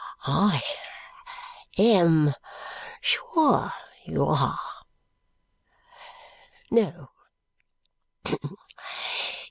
"I am sure you are. No.